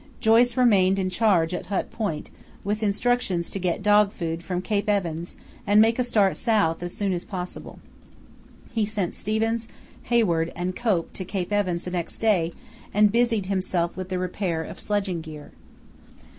Joyce remained in charge at Hut Point, with instructions to get dog food from Cape Evans and make a start south as soon as possible. He sent Stevens, Hayward, and Cope to Cape Evans the next day, and busied himself with the repair of sledging gear.